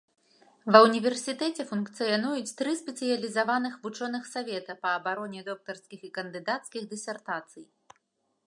Ва ўніверсітэце функцыянуюць тры спецыялізаваных вучоных савета па абароне доктарскіх і кандыдацкіх дысертацый.